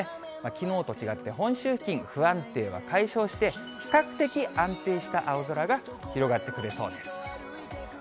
きのうと違って、本州付近、不安定は解消して、比較的安定した青空が広がってくれそうです。